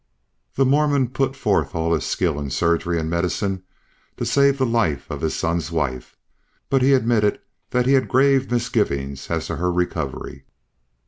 The Mormon put forth all his skill in surgery and medicine to save the life of his son's wife, but he admitted that he had grave misgivings as to her recovery.